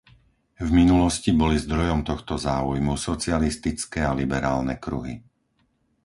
V minulosti boli zdrojom tohto záujmu socialistické a liberálne kruhy.